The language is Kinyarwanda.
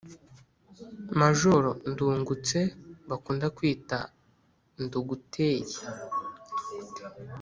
majoro ndungutse bakunda kwita nduguteye: